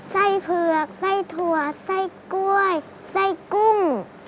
เผือกไส้ถั่วไส้กล้วยไส้กุ้ง